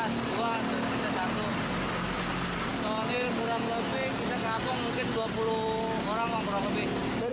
soalnya kurang lebih kita kampung mungkin dua puluh orang kurang lebih